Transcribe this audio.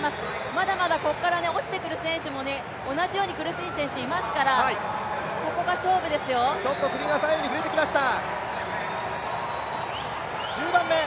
まだまだここから落ちてくる選手も、同じように苦しい選手がいますから首が左右に振れてきました。